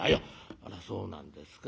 「あらそうなんですか。